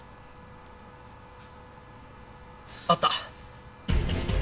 あった！